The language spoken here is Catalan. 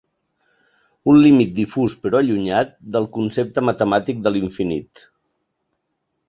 Un límit difús però allunyat del concepte matemàtic de l'infinit.